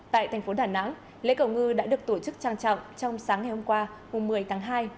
tại thành phố đà nẵng lễ cầu ngư đã được tổ chức trang trọng trong sáng ngày hôm qua một mươi tháng hai